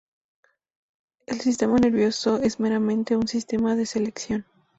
El sistema nervioso es meramente un sistema de selección.